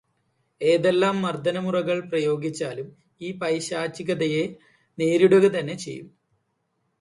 ഏതെല്ലാം മർദ്ദനമുറകൾ പ്രയോഗിച്ചാലും ഈ പൈശാചികതയെ നേരിടുക തന്നെ ചെയ്യും.